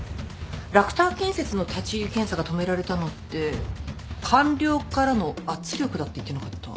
ラクター建設の立入検査が止められたのって官僚からの圧力だって言ってなかった？